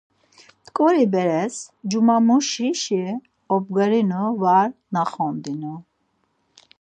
Mt̆ǩori beres cumamuşişi obgarinu var naxondinu.